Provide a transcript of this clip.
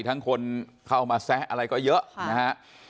ทั้งคนเข้ามาแซะอะไรก็เยอะนะฮะ